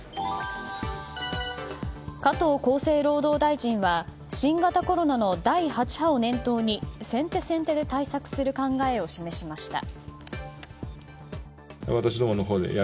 加藤厚生労働大臣は新型コロナの第８波を念頭に先手先手で対策する考えを示しました。